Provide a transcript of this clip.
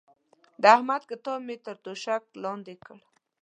د احمد کتاب مې تر توشک لاندې کړ.